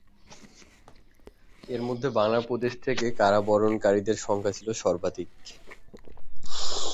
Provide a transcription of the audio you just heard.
এর মধ্যে বাংলা প্রদেশ থেকে কারাবরণকারীদের সংখ্যা ছিল সর্বাধিক।